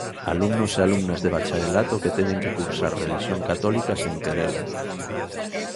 Alumnos e alumnas de bacharelato que teñen que cursar relixión católica sen querelo.